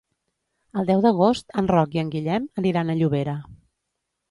El deu d'agost en Roc i en Guillem aniran a Llobera.